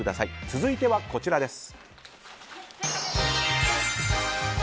続いてはこちらです。